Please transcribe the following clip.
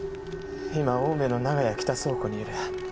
今青梅の長屋北倉庫にいる。